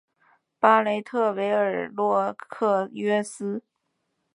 布雷特维尔洛格约斯。